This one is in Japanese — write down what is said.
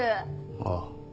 ああ。